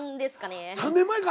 ３年前か？